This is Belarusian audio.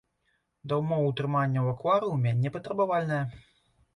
Да ўмоў утрымання ў акварыуме непатрабавальная.